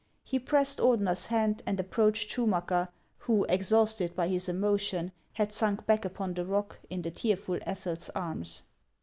He pressed Ordener's hand, and ap proached Schumacker, who, exhausted by his emotion, had sunk back upon the rock, in the tearful Ethel's arms.